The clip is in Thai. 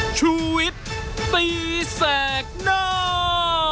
ชูวิดตีแสงหน้า